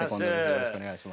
よろしくお願いします。